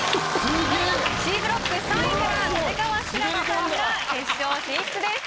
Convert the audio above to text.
Ｃブロック３位から立川志らくさんが決勝進出です。